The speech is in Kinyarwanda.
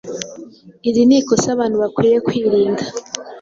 Iri ni ikosa abantu bakwiriye kwirinda.